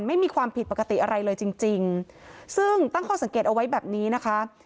ไม่มีความผิดปกติอะไรเลยจริงจริงซึ่งตั้งข้อสังเกตเอาไว้แบบนี้นะคะ